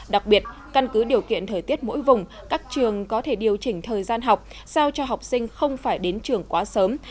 đặc biệt căn cứ điều kiện thời tiết mỗi vùng các trường có thể điều chỉnh thời gian học sao cho học sinh không phải đến trường quá sớm